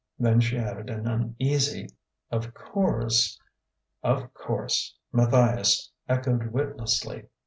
Then she added an uneasy: "Of course...." "Of course!" Matthias echoed witlessly.